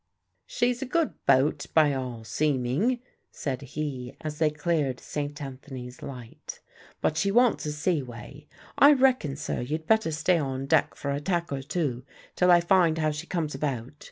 "She's a good boat by all seeming," said he as they cleared St. Anthony's light; "but she wants a sea way. I reckon, sir, you'd better stay on deck for a tack or two, till I find how she comes about.